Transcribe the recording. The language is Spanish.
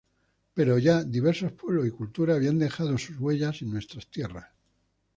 Pero ya diversos pueblos y culturas habían dejado sus huellas en nuestras tierras.